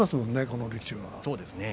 この力士は。